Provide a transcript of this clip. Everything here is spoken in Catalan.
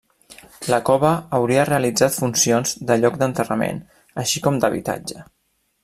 La cova hauria realitzat funcions de lloc d'enterrament, així com d'habitatge.